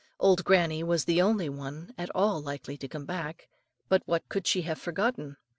Old granny was the only one at all likely to come back; but what could she have forgotten?